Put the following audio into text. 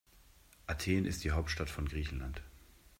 Athen ist die Hauptstadt von Griechenland.